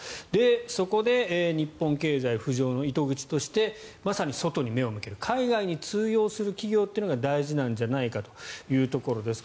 そこで日本経済浮上の糸口としてまさに外に目を向ける海外に通用する企業が大事なんじゃないかということですね。